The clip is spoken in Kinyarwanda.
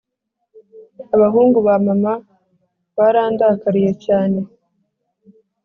Abahungu ba mama barandakariye cyane